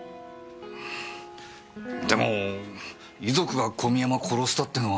でも遺族が小見山殺したっていうのは。